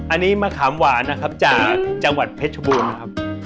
อันนี้มะขามหวานนะครับจากจังหวัดเพชรบูรณ์นะครับ